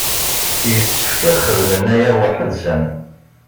Yessefk ad xedmen aya weḥd-sen.